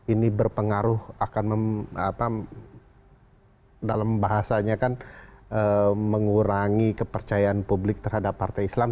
ini berpengaruh akan dalam bahasanya kan mengurangi kepercayaan publik terhadap partai islam